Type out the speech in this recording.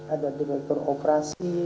ada direktur operasi